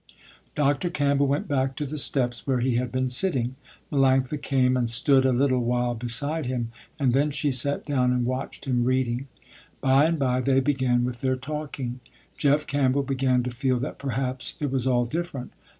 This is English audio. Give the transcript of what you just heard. Dr. Campbell went back to the steps where he had been sitting. Melanctha came and stood a little while beside him, and then she sat down and watched him reading. By and by they began with their talking. Jeff Campbell began to feel that perhaps it was all different.